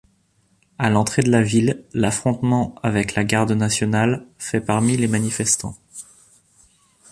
À l'entrée de la ville, l'affrontement avec la Garde nationale fait parmi les manifestants.